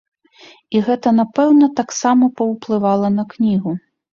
І гэта, напэўна, таксама паўплывала на кнігу.